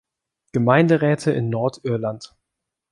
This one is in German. Gemeinderäte in Nordirland